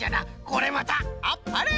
これまたあっぱれ！